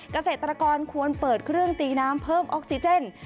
เกษตรกรควรเปิดเครื่องตีน้ำเพิ่มออกซิเจน